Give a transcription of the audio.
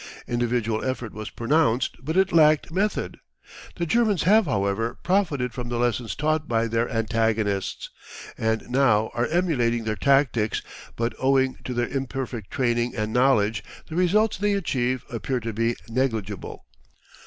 Individual effort was pronounced, but it lacked method. The Germans have, however, profited from the lessons taught by their antagonists, and now are emulating their tactics, but owing to their imperfect training and knowledge the results they achieve appear to be negligible.